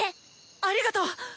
ありがとう！